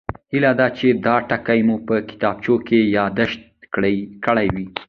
هیله ده چې دا ټکي مو په کتابچو کې یادداشت کړي وي